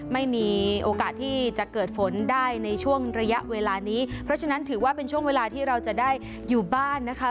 ไม่มีโอกาสที่จะเกิดฝนได้ในช่วงระยะเวลานี้เพราะฉะนั้นถือว่าเป็นช่วงเวลาที่เราจะได้อยู่บ้านนะคะ